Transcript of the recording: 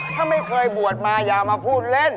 ถ้าไม่เคยบวชมาอย่ามาพูดเล่น